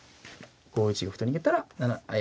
５一玉と逃げたらえ